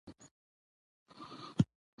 په وروستۍ لنډۍ کې د کمترۍ د احساس